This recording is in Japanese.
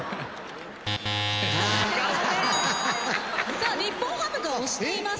さあ日本ハムが押しています。